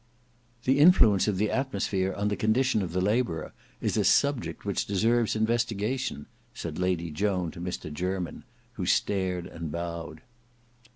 "The influence of the atmosphere on the condition of the labourer is a subject which deserves investigation," said Lady Joan to Mr Jermyn, who stared and bowed.